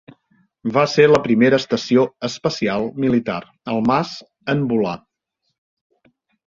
Va ser la primera estació espacial militar Almaz en volar.